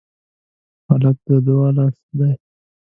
هلک د دعا لاس دی.